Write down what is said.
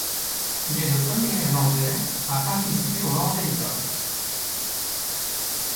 Il est le premier Irlandais à participer au Vendée Globe.